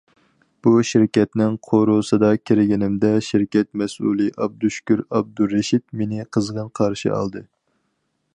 بۇ شىركەتنىڭ قورۇسىدا كىرگىنىمدە شىركەت مەسئۇلى ئابدۇشۈكۈر ئابدۇرېشىت مېنى قىزغىن قارشى ئالدى.